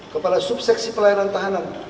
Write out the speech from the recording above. kepala subseksi pelayanan tahanan